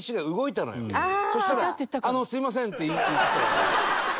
そしたら「あのすいません」って言ってたよ。